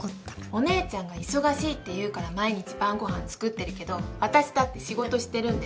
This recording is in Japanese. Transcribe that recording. お姉ちゃんが忙しいっていうから毎日晩ご飯作ってるけど私だって仕事してるんです！